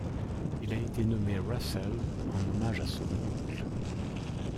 Il a été nommé Russel en hommage à son oncle.